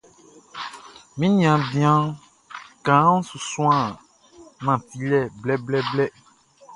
Mi niaan bian kaanʼn su suan nantilɛ blɛblɛblɛ.